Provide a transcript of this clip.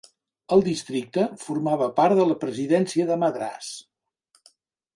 El districte formava part de la presidència de Madràs.